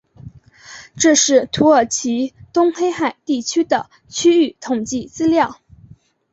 这是土耳其东黑海地区的区域统计资料。